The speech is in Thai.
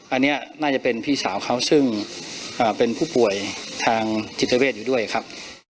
อันนี้น่าจะเป็นพี่สาวเขาซึ่งเป็นผู้ป่วยทางจิตเวทอยู่ด้วยครับ